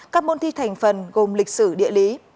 các môn thi thành phần gồm lịch sử địa lý